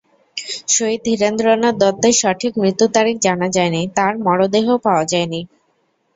শহীদ ধীরেন্দ্রনাথ দত্তের সঠিক মৃত্যুতারিখ জানা যায়নি, তাঁর মরদেহও পাওয়া যায়নি।